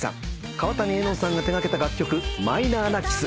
川谷絵音さんが手掛けた楽曲『マイナーなキス』